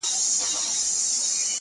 په تعظيم ورته قاضي او وزيران سول!.